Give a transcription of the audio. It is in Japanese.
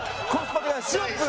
シロップ。